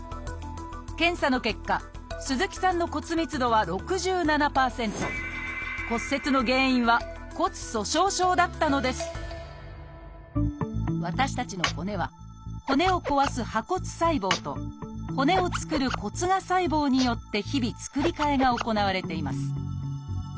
検査の結果鈴木さんの骨折の原因は骨粗しょう症だったのです私たちの骨は骨を壊す「破骨細胞」と骨を作る「骨芽細胞」によって日々作り替えが行われています。